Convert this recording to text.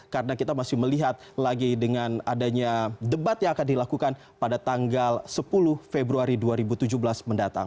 karena kita masih melihat lagi dengan adanya debat yang akan dilakukan pada tanggal sepuluh februari dua ribu tujuh belas mendatang